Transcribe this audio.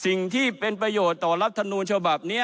สิ่งที่เป็นประโยชน์ต่อรับทะโนชบับเนี่ย